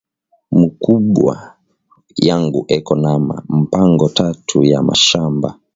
Mukubwa yangu eko nama mpango tatu ya mashamba